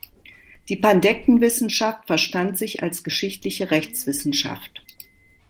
Die Pandektenwissenschaft verstand sich als geschichtliche Rechtswissenschaft.